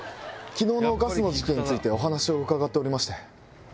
昨日のガスの事件についてお話を伺っておりまして。